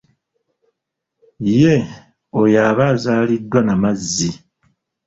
Ye oyo aba azaaliddwa n'amazzi.